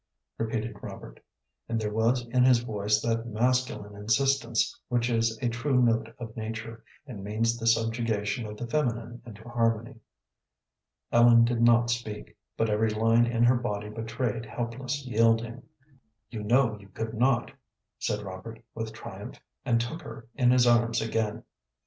repeated Robert, and there was in his voice that masculine insistence which is a true note of nature, and means the subjugation of the feminine into harmony. Ellen did not speak, but every line in her body betrayed helpless yielding. "You know you could not," said Robert with triumph, and took her in his arms again.